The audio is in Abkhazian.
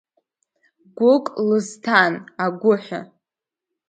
Гәык лызҭан, агәыҳәа…